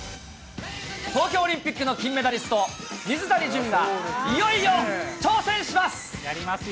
東京オリンピックの金メダリスト、水谷隼が、いよいよ挑戦します。